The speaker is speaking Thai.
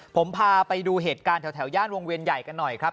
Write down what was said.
ผมพาไปดูเหตุการณ์แถวย่านวงเวียนใหญ่กันหน่อยครับ